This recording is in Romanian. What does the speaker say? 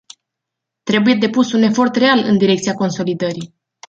Trebuie depus un efort real în direcția consolidării.